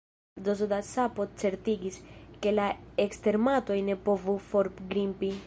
Dozo da sapo certigis, ke la ekstermatoj ne povu forgrimpi.